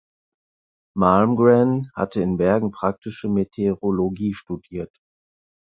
Malmgren hatte in Bergen praktische Meteorologie studiert.